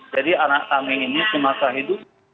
jadi anak kami ini semasa hidup